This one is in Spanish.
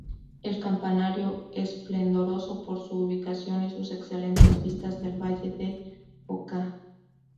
El Campanario, esplendoroso por su ubicación y sus excelentes vistas del Valle de Oca.